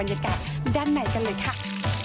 แล้วคุณมากินไว้ขอบคุณครับ